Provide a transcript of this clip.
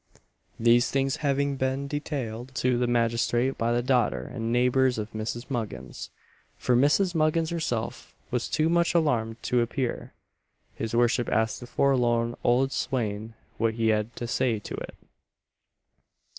These things having been detailed to the magistrate by the daughter and neighbours of Mrs. Muggins for Mrs. Muggins herself was too much alarmed to appear his worship asked the forlorn old swain what he had to say to it.